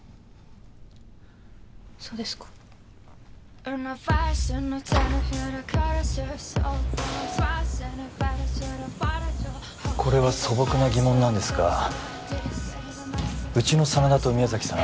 そうですかこれは素朴な疑問なんですがうちの真田と宮崎さん